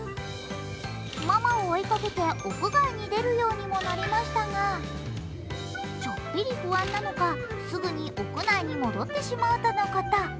ママを追いかけて屋外に出るようにもなりましたが、ちょっぴり不安なのかすぐに屋内に戻ってしまうとのこと。